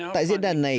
tại diễn đàn này